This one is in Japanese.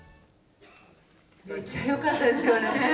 めっちゃよかったですよね。